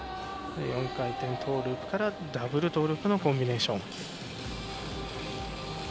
４回転トーループからダブルトーループのコンビネーション。